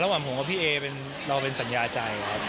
ผมกับพี่เอเราเป็นสัญญาใจครับ